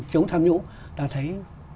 chống tham nhũ ta thấy